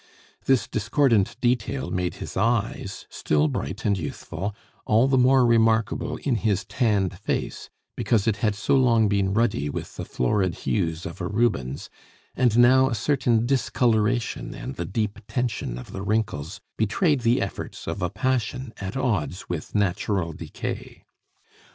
This discordant detail made his eyes, still bright and youthful, all the more remarkable in his tanned face, because it had so long been ruddy with the florid hues of a Rubens; and now a certain discoloration and the deep tension of the wrinkles betrayed the efforts of a passion at odds with natural decay.